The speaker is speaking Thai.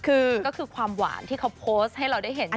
ก็คือความหวานที่เขาโพสต์ให้เราได้เห็นทุกวัน